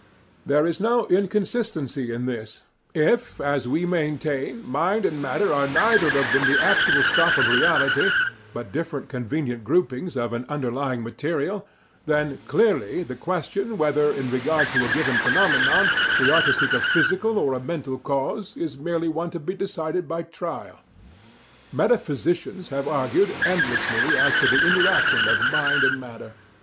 There is no inconsistency in this If, as we maintain, mind and matter are neither of them the actual stuff of reality, but different convenient groupings of an underlying material, then, clearly, the question whether, in regard to a given phenomenon, we are to seek a physical or a mental cause, is merely one to be decided by trial. Metaphysicians have argued endlessly as to the interaction of mind and matter.